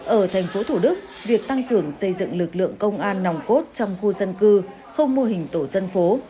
ở thành phố thủ đức việc tăng cường xây dựng lực lượng công an nòng cốt trong khu dân cư không mô hình tổ dân phố